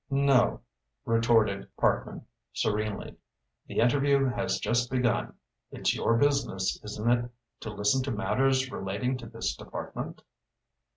"No," retorted Parkman serenely, "the interview has just begun. It's your business, isn't it, to listen to matters relating to this department?"